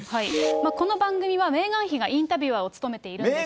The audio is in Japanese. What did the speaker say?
この番組はメーガン妃がインタビュアーを務めていたんですが。